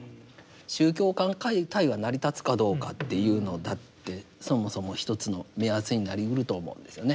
宗教間対話成り立つかどうかっていうのだってそもそも一つの目安になりうると思うんですよね。